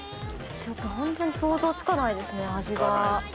ホントに想像つかないですね味が。